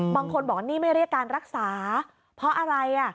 บางคนบอกว่านี่ไม่เรียกการรักษาเพราะอะไร